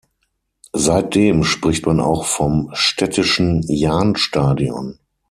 Seitdem spricht man auch vom „städtischen Jahnstadion“.